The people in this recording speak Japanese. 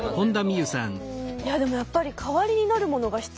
いやでもやっぱり代わりになるものが必要じゃないですか。